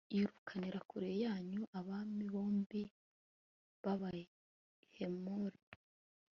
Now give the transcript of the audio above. yirukaniraga kure yanyu abami bombi b'abahemori